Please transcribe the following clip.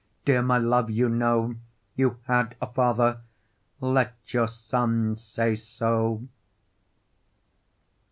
Dear my love, you know, You had a father: let your son say so.